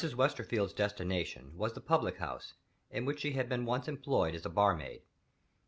Westerfield's destination was the public house in which she had been once employed as a barmaid.